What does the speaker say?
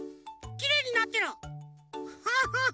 きれいになってる！ハハハ！